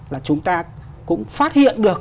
là chúng ta cũng phát hiện được